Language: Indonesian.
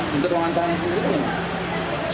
menteri wang antara nasib ini